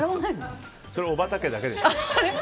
それ、おばた家だけでしょ。